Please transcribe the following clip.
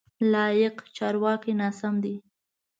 لایق: چارواکی ناسم دی.